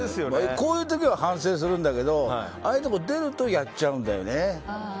こういう時は反省するんだけどでも出るとやっちゃうんだよね。